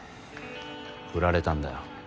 振られたんだよ。